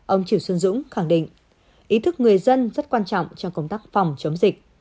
ông triều xuân dũng khẳng định ý thức người dân rất quan trọng trong công tác phòng chống dịch